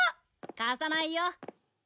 貸さないよ。